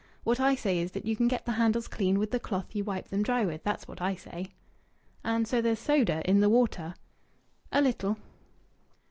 What I say is that you can get the handles clean with the cloth you wipe them dry with. That's what I say." "And so there's soda in the water?" "A little."